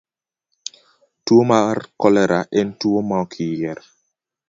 Tuwo mar kolera en tuwo maok yier.